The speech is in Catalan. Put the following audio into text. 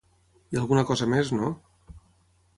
I alguna cosa mes no ?